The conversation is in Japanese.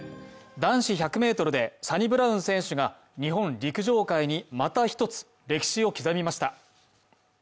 男子１００ｍでサニブラウン選手が日本陸上界にまた一つ歴史を刻みました。